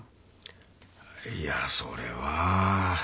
いやそれは。